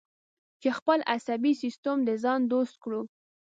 چې خپل عصبي سیستم د ځان دوست کړو.